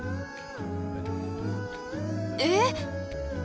えっ！